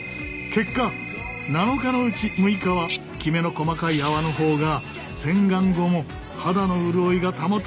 結果７日のうち６日はきめの細かい泡の方が洗顔後も肌の潤いが保たれていた。